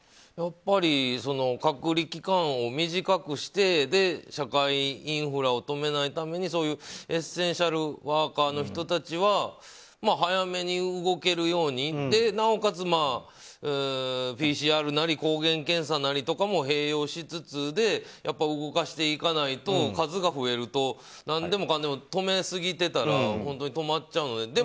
やっぱり、隔離期間を短くして社会インフラを止めないためにエッセンシャルワーカーの人たちは早めに動けるようになおかつ、ＰＣＲなり抗原検査なりとかも併用しつつで動かしていかないと数が増えると何でもかんでも止めすぎてたら本当に止まっちゃうので。